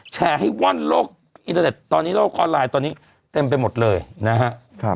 แชร์ให้ว่อนโลกอินเทอร์เน็ตตอนนี้โลกออนไลน์ตอนนี้เต็มไปหมดเลยนะฮะ